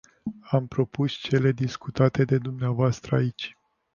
Am propus cele discutate de dvs. aici.